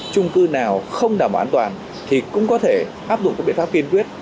trung cư nào không đảm bảo an toàn thì cũng có thể áp dụng các biện pháp kiên quyết